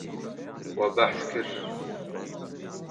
We behs kir.